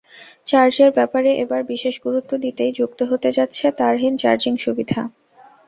চার্জের ব্যাপারে এবার বিশেষ গুরুত্ব দিতেই যুক্ত হতে যাচ্ছে তারহীন চার্জিং সুবিধা।